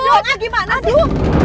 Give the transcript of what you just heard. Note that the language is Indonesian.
cepet aja dong gimana sih